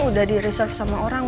udah direserve sama orang